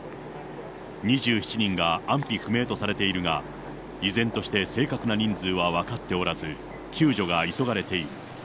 ２７人が安否不明とされているが、依然として正確な人数は分かっておらず、救助が急がれている。